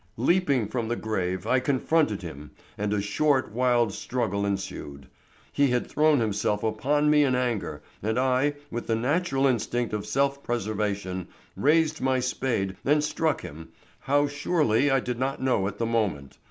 "Leaping from the grave, I confronted him and a short, wild struggle ensued. He had thrown himself upon me in anger, and I, with the natural instinct of self preservation, raised my spade and struck him, how surely I did not know at the moment.